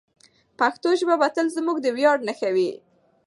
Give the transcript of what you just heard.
پښتو ژبه به تل زموږ د ویاړ نښه وي.